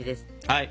はい。